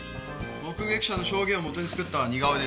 目撃者の証言をもとに作った似顔絵です。